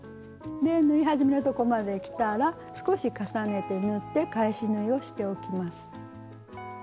で縫い始めのとこまできたら少し重ねて縫って返し縫いをしておきます。